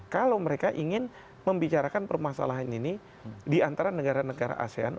kalau mereka ingin membicarakan permasalahan ini di antara negara negara asean